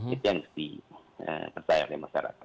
itu yang harus dipercaya oleh masyarakat